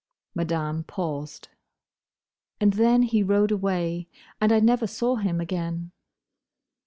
Madame paused. "And then he rode away; and I never saw him again."